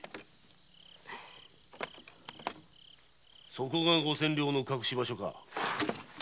・そこが五千両の隠し場所か？